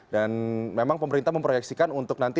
dan memang pemerintah memproyeksikan untuk nanti